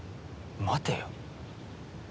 待てよ。